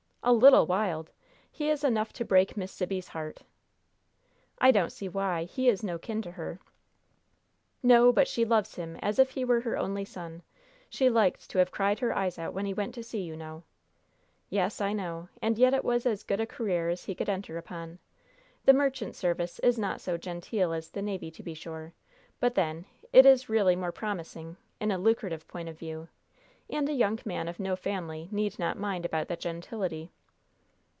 "'A little wild!' He is enough to break Miss Sibby's heart!" "I don't see why. He is no kin to her." "No; but she loves him as if he were her only son. She liked to have cried her eyes out when he went to sea, you know." "Yes, I know. And yet it was as good a career as he could enter upon. The merchant service is not so genteel as the navy, to be sure, but, then, it is really more promising, in a lucrative point of view, and a young man of no family need not mind about the gentility."